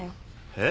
えっ！？